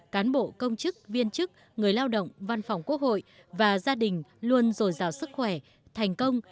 cán bộ công chức viên chức người lao động văn phòng quốc hội và gia đình luôn dồi dào sức khỏe thành công